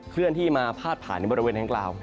เคลื่อนที่มาพาดผ่านในบริเวณดังกล่าว